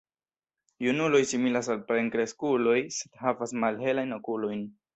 Junuloj similas al plenkreskuloj, sed havas malhelajn okulojn.